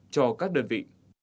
cho các đơn vị